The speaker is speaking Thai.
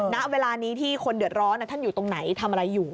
ณเวลานี้ที่คนเดือดร้อนท่านอยู่ตรงไหนทำอะไรอยู่